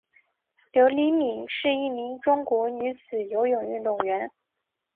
刘黎敏是一名中国女子游泳运动员。